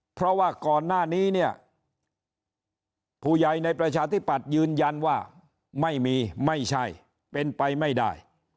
เพราะว่าก่อนหน้านี้เนี่ยผู้ใหญ่ในประชาธิปัตย์ยืนยันว่าไม่มีไม่ใช่เป็นไปไม่ได้